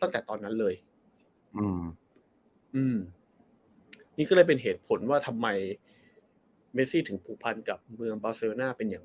ตั้งแต่ตอนนั้นเลยอืมอืมนี่ก็เลยเป็นเหตุผลว่าทำไมเมซี่ถึงผูกพันกับเมืองบาเซโรน่าเป็นอย่าง